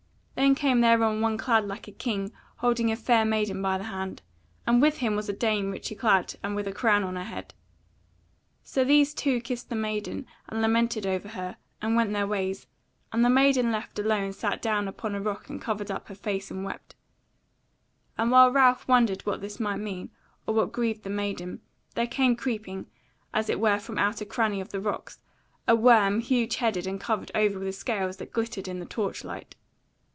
Then came thereon one clad like a king holding a fair maiden by the hand, and with him was a dame richly clad and with a crown on her head. So these two kissed the maiden, and lamented over her, and went their ways, and the maiden left alone sat down upon a rock and covered up her face and wept; and while Ralph wondered what this might mean, or what grieved the maiden, there came creeping, as it were from out of a cranny of the rocks, a worm huge headed and covered over with scales that glittered in the torch light.